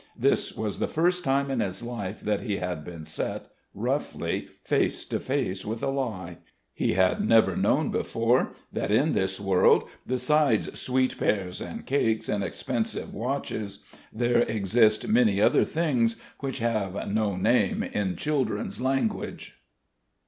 This was the first time in his life that he had been set, roughly, face to face with a lie. He had never known before that in this world besides sweet pears and cakes and expensive watches, there exist many other things which have no name in children's language.